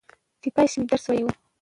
چې کاشکي مې درس ويلى وى